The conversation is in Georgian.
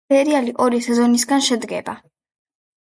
სერიალი ორი სეზონისგან შედგება.